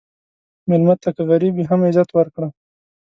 مېلمه ته که غریب وي، هم عزت ورکړه.